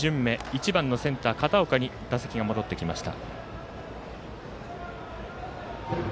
１番のセンター、片岡に打席が戻ってきました。